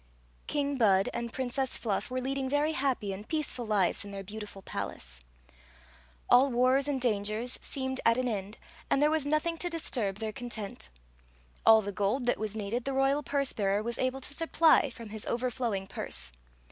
King Bud and Princess Fluff were leading very happy and peaceful lives in their beautiful palace. All wars and dangers seemed at an end, and there was nothing to disturb their content. All the gold that was needed the royal purse bearer was able to supply from his overflowing purse.